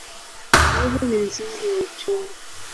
Uvuvi ni msingi wa uchumi.